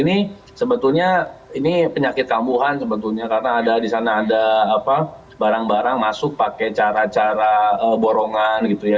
ini sebetulnya ini penyakit kambuhan sebetulnya karena ada di sana ada barang barang masuk pakai cara cara borongan gitu ya